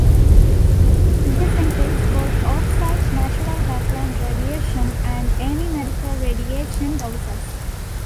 This includes both offsite "natural background radiation" and any medical radiation doses.